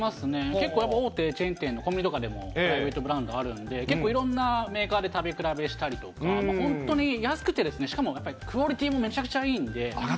結構やっぱり大手チェーン店のコンビニとかでもプライベートブランドあるんで、結構いろんなメーカーで食べ比べしたりとか、本当に安くて、しかもクオリティもめちゃくちゃいいんで。